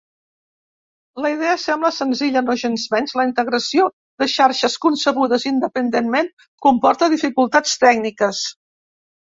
La idea sembla senzilla, nogensmenys, la integració de xarxes, concebudes independentment, comporta dificultats tècniques.